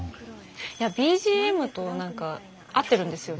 いやＢＧＭと何か合ってるんですよ。